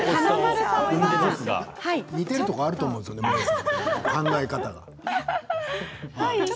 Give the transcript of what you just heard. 似ているところがあると思うんですよ、考え方が。